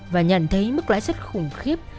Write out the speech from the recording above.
và nhận thấy mức lái xuất khủng khiếp